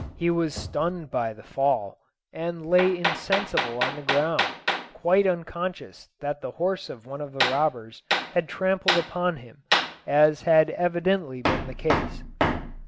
He was stunned by the fall, and lay insensible on the ground, quite unconscious that the horse of one of the robbers had trampled upon him, as had evidently been the case.